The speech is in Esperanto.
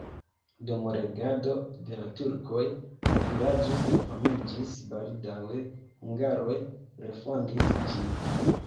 Dum regado de la turkoj la vilaĝo senhomiĝis, baldaŭe hungaroj refondis ĝin.